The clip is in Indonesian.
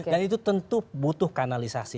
dan itu tentu butuh kanalisasi